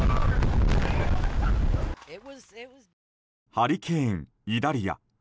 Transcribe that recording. ハリケーン、イダリア。